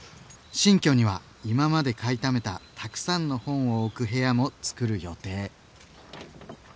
新居には今まで買いためたたくさんの本を置く部屋もつくる予定。